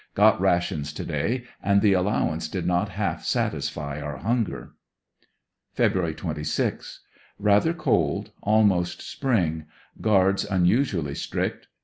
Got rations to day, and the allowance did not half satisfy our hunger. Feb. 26.— ^Rather cold, almost spring. Guards unusually strict.